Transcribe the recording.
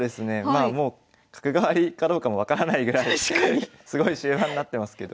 まあもう角換わりかどうかも分からないぐらいすごい終盤になってますけど。